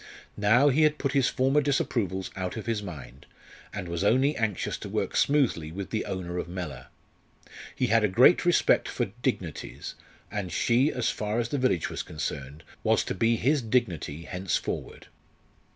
Now he had put his former disapprovals out of his mind, and was only anxious to work smoothly with the owner of Mellor. He had a great respect for "dignities," and she, as far as the village was concerned, was to be his "dignity" henceforward.